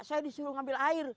saya disuruh ambil air